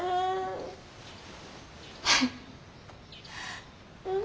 はい。